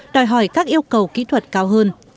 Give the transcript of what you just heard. đòi hỏi các yêu cầu kỹ thuật cao hơn